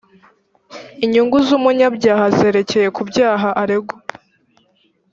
inyungu z umunyabyaha zerekeye ku byaha aregwa